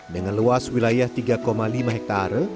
dengan luas wilayah tiga lima hektare